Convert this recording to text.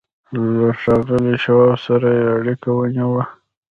له ښاغلي شواب سره يې اړيکه ونيوه.